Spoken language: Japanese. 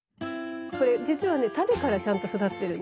これじつはねタネからちゃんと育ってるんですね。